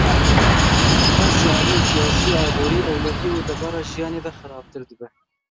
Rewş ji aliyên siyasî, aborî, ewlehî û debara jiyanê ve xerabtir dibe.